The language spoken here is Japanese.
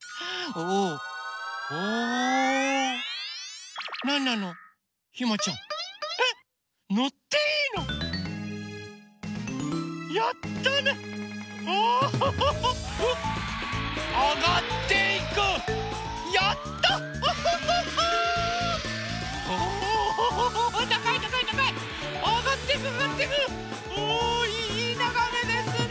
おおいいながめですね！